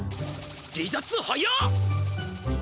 離脱早っ！